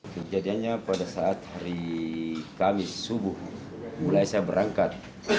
kejadiannya pada saat hari kamis subuh mulai saya berangkat